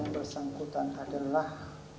yang bersangkutan adalah